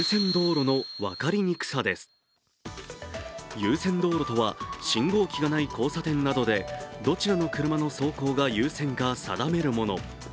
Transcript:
優先道路とは信号機がない交差点などでどちらの車の走行が優先か定めるもの。